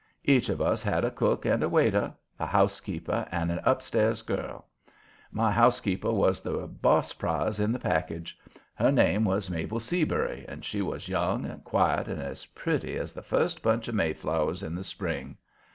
Each of us had a cook and a waiter, a housekeeper and an up stairs girl. My housekeeper was the boss prize in the package. Her name was Mabel Seabury, and she was young and quiet and as pretty as the first bunch of Mayflowers in the spring.